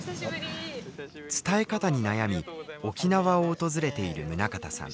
伝え方に悩み沖縄を訪れている宗像さん。